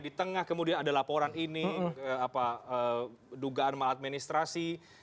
di tengah kemudian ada laporan ini dugaan maladministrasi